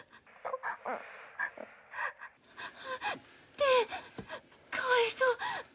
で「かわいそう。